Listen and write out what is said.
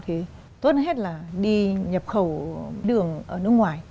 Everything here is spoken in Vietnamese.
thì tốt hơn hết là đi nhập khẩu đường ở nước ngoài